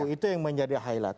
itu yang menjadi highlight